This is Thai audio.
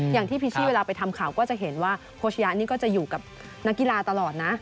อย่างที่พิชชี่เวลาไปทำข่าวก็จะเห็นว่าโคชยะนี่ก็จะอยู่กับนักกีฬาตลอดนะ